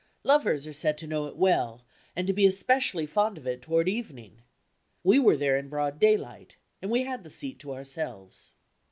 Lovers are said to know it well, and to be especially fond of it toward evening. We were there in broad daylight, and we had the seat to ourselves.